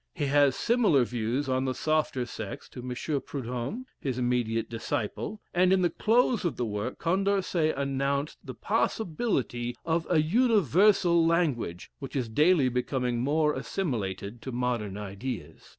He has similar views on the softer sex to M. Proudhomme (his immediate disciple,) and, in the close of the work, Condorcet announced the possibility of an universal language, which is daily becoming more assimilated to modern ideas.